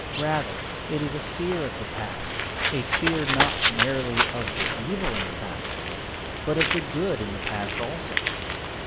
Rather it is a fear of the past; a fear not merely of the evil in the past, but of the good in the past also.